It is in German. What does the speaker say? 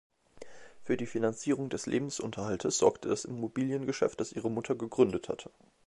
Für die Finanzierung des Lebensunterhalts sorgte das Immobiliengeschäft, das ihre Mutter gegründet hatte.